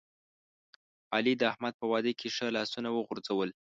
علی د احمد په واده کې ښه لاسونه وغورځول.